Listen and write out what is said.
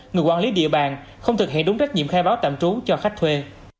người quản lý địa bàn không thực hiện đúng trách nhiệm khai báo tạm trú cho khách thuê